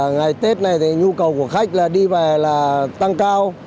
ngày tết này thì nhu cầu của khách là đi về là tăng cao